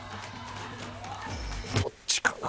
どっちかな？